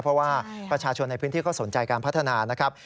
เพราะว่าประชาชนในพื้นที่เขาสนใจการพัฒนานะครับ